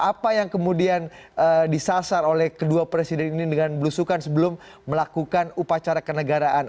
apa yang kemudian disasar oleh kedua presiden ini dengan belusukan sebelum melakukan upacara kenegaraan